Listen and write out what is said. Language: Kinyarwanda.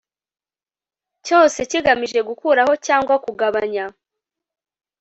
cyose kigamije gukuraho cyangwa kugabanya